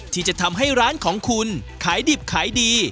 ที่จะทำให้ร้านของคุณขายดิบขายดี